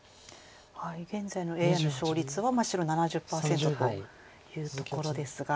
現在のＡＩの勝率は白７０％というところですが。